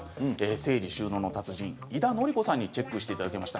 整理収納の達人井田典子さんにチェックしていただきました。